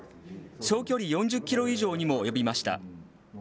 総距離４０キロ以上にも及びました。